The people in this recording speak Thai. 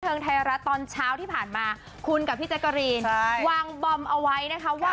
ไทยรัฐตอนเช้าที่ผ่านมาคุณกับพี่แจ๊กกะรีนวางบอมเอาไว้นะคะว่า